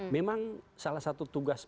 memang salah satu tugas